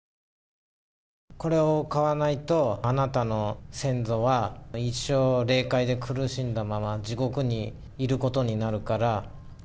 これを買わないと、あなたの先祖は一生、霊界で苦しんだまま、地獄にいることになるから。